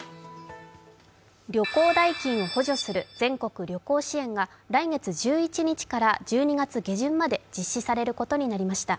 旅行代金を補助する全国旅行支援が来月１１日から１２月下旬まで実施されることになりました。